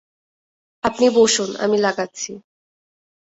আপনি বসুন, আমি লাগাচ্ছি।